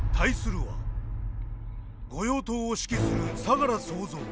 御用盗を指揮する相楽総三。